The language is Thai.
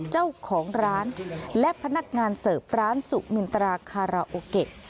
เจ้าของร้านและพนักงานเสิร์ฟร้านสุมินตราคาราโอเกะ